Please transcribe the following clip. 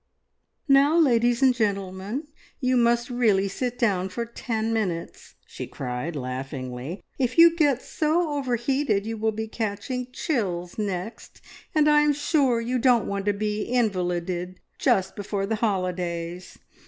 "Now, ladies and gentlemen, you must really sit down for ten minutes!" she cried laughingly. "If you get so overheated, you will be catching chills next, and I am sure you don't want to be invalided just before the holidays.